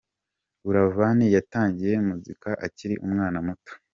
Buravan yatangiye muzika akiri umwana muto.